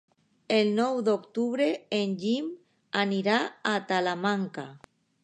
El nou d'octubre en Guim anirà a Talamanca.